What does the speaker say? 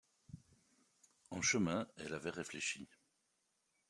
En chemin, elle avait réfléchi.